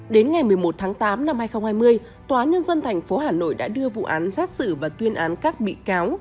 đến ngày một mươi một tháng tám năm hai nghìn hai mươi tòa nhân dân tp hà nội đã đưa vụ án xét xử và tuyên án các bị cáo